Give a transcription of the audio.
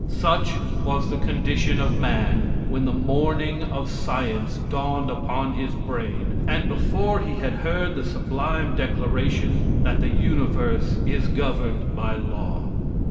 Such was the condition of man when the morning of science dawned upon his brain, and before he had heard the sublime declaration that the universe is governed by law.